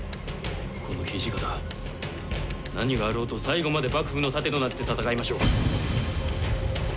この土方何があろうと最後まで幕府の盾となって戦いましょう。